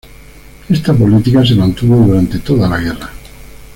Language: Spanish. Esta política se mantuvo durante toda la guerra.